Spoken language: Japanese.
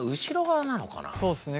そうっすね